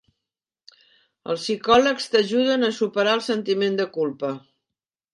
Els psicòlegs t'ajuden a superar el sentiment de culpa.